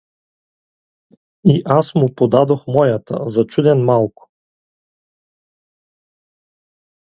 И аз му подадох моята, зачуден малко.